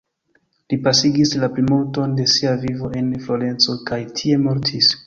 Li pasigis la plimulton de sia vivo en Florenco, kaj tie mortis.